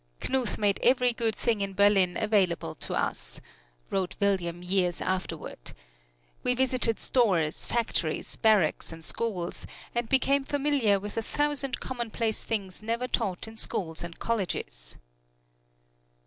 "Knuth made every good thing in Berlin available to us," wrote William years afterward; "we visited stores, factories, barracks and schools, and became familiar with a thousand commonplace things never taught in schools and colleges."